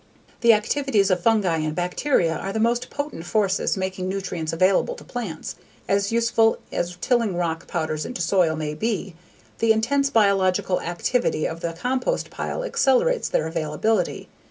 The activities of fungi and bacteria are the most potent forces making nutrients available to plants. As useful as tilling rock powders into soil may be, the intense biological activity of the compost pile accelerates their availability.